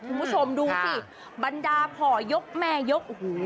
คุณผู้ชมดูที่บรรดาภอยกแม่ยกหู